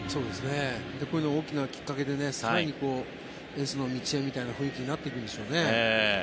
こういうのが大きなきっかけで更にエースの道へみたいな雰囲気になっていくんでしょうね。